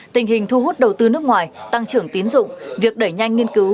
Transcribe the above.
tình hình thu hút đầu tư nước ngoài tăng trưởng tiến dụng việc đẩy nhanh nghiên cứu